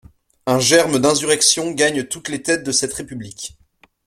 Un germe d'insurrection gagne toutes les têtes de cette république.